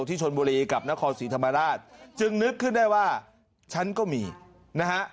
ที่ชนบุรีกับนครศรีธรรมราชจึงนึกขึ้นได้ว่าฉันก็มีนะฮะ